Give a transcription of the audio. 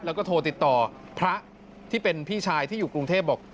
แล้วก็โทรติดต่อพระที่เป็นพี่ชายที่อยู่กรุงเทพบอก